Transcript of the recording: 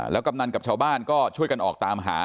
กำนันกับชาวบ้านก็ช่วยกันออกตามหา